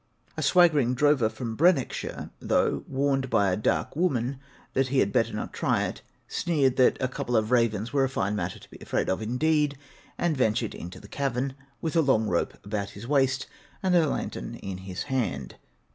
A swaggering drover from Brecknockshire, though warned by a 'dark woman' that he had better not try it, sneered that 'a couple of ravens were a fine matter to be afraid of indeed!' and ventured into the cavern, with a long rope about his waist, and a lantern in his hand.